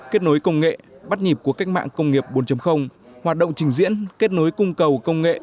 kết nối công nghệ bắt nhịp của cách mạng công nghiệp bốn hoạt động trình diễn kết nối cung cầu công nghệ